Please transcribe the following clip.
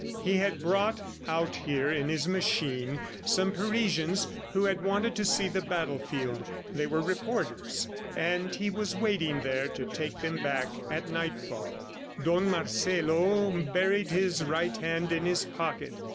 He had brought out here in his machine some Parisians who had wanted to see the battlefield; they were reporters; and he was waiting there to take them back at nightfall. Don Marcelo buried his right hand in his pocket.